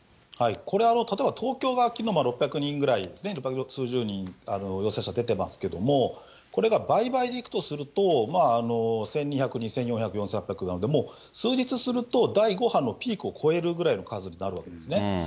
これは例えば東京がきのう６００人ぐらいですね、六百数十人出ていますけれども、これが倍々でいくとすると、１２００、２４００、４８００なので、もう数日すると第５波のピークを超えるぐらいの数になるわけですよね。